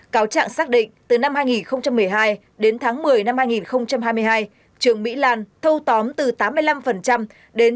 cáo trạng xác định từ năm hai nghìn một mươi hai đến tháng một mươi năm hai nghìn hai mươi hai trương mỹ lan thâu tóm từ tám mươi năm đến chín mươi một năm